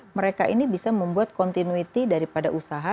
mereka ini bisa membuat continuity daripada usaha